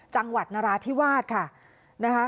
จังหวัดนราธิวาสคม